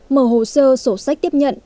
mở hồ sơ sổ sách tiếp nhận